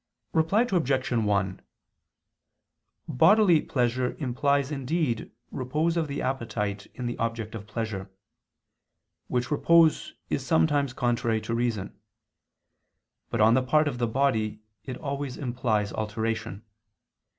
Reply Obj. 1: Bodily pleasure implies indeed repose of the appetite in the object of pleasure; which repose is sometimes contrary to reason; but on the part of the body it always implies alteration.